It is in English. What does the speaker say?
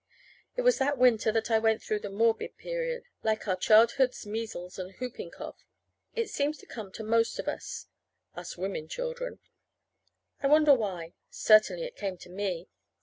It was that winter that I went through the morbid period. Like our childhood's measles and whooping cough, it seems to come to most of us us women children. I wonder why? Certainly it came to me.